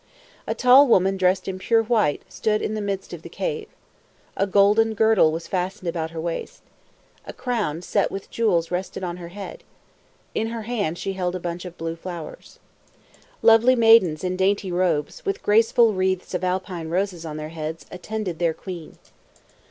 A tall woman dressed in pure white stood in the midst of the cave. A golden girdle was fastened about her waist. A crown set with jewels rested on her head. In her hand she held a bunch of blue flowers. Lovely maidens in dainty robes, with graceful wreaths of Alpine roses on their heads, attended their queen.